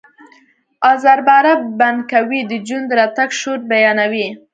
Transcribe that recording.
آزر باره بنکوی د جون د راتګ شور بیانوي